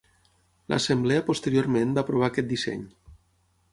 L'Assemblea posteriorment va aprovar aquest disseny.